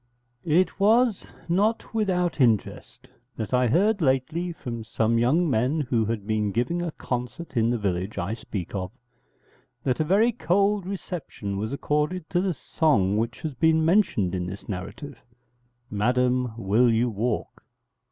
It was not without interest that I heard lately from some young men who had been giving a concert in the village I speak of, that a very cold reception was accorded to the song which has been mentioned in this narrative: '_Madam, will you walk?